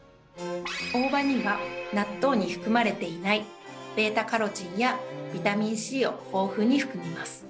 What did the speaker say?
大葉には納豆に含まれていないベータカロテンやビタミンＣを豊富に含みます。